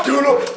kita dulu sobat